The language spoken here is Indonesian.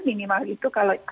minimal itu kalau